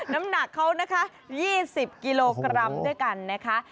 น้ำหนักเขานะคะ๒๐กิโลกรัมด้วยกันนะคะ